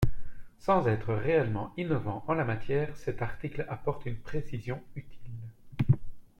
Sans être réellement innovant en la matière, cet article apporte une précision utile.